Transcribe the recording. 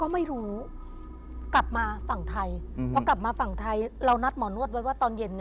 เพราะกลับมาฝั่งไทยเรานัดหมอนวดไว้ว่าตอนเย็น